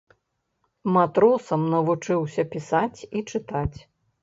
Матросам навучыўся пісаць і чытаць.